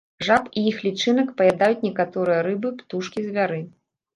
Жаб і іх лічынак паядаюць некаторыя рыбы, птушкі, звяры.